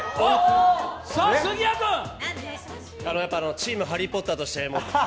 チーム「ハリー・ポッター」として。